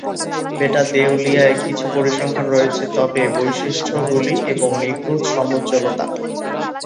বেটা দেউয়ায় কিছু পরিসংখ্যান রয়েছে, তবে বৈশিষ্ট্যগুলি এবং নিখুঁত সমুজ্জ্বলতা।